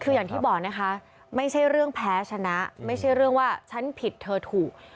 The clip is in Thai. คืออย่างที่บอกนะคะไม่ใช่เรื่องแพ้ชนะไม่ใช่เรื่องว่าฉันผิดเธอถูก